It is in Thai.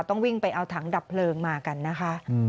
ต้องวิ่งไปเอาถังดับเพลิงมากันนะคะ